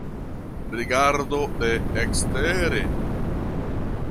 Rigardo de ekstere.